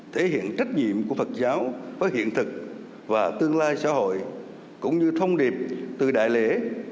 thể hiện trách nhiệm của phật giáo với hiện thực và tương lai xã hội cũng như thông điệp từ đại lễ